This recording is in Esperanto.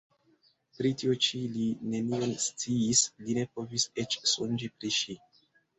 Pri tio ĉi li nenion sciis, li ne povis eĉ sonĝi pri ŝi.